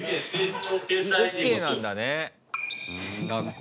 ＯＫなんだね、学校。